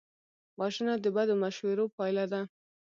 وژنه د بدو مشورو پایله ده